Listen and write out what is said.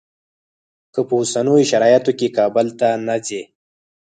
که په اوسنیو شرایطو کې کابل ته نه ځې.